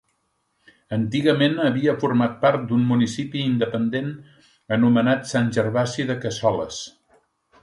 Antigament havia format part d'un municipi independent anomenat Sant Gervasi de Cassoles.